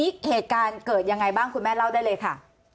เหตุการณ์เกิดยังไงบ้างคุณแม่เล่าได้เลยค่ะ